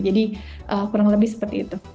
jadi kurang lebih seperti itu